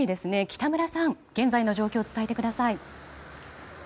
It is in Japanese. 北村さん、現在の状況を伝えてください。